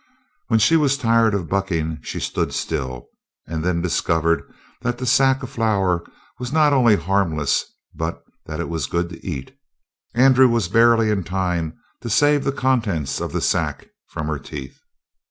When she was tired of bucking she stood still, and then discovered that the sack of flour was not only harmless but that it was good to eat. Andrew was barely in time to save the contents of the sack from her teeth.